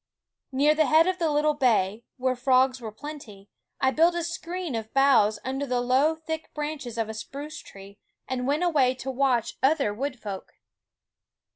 Near the head of the little bay, where frogs were plenty, I built a screen of boughs under the low thick branches of a spruce tree, and went away to watch other wood folk.